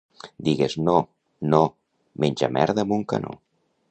—Digues no. —No. —Menja merda amb un canó!